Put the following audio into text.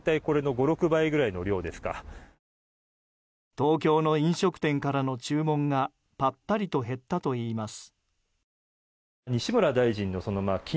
東京の飲食店からの注文がぱったりと減ったといいます。